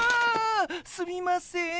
すみません。